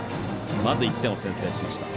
まず１点を先制しました。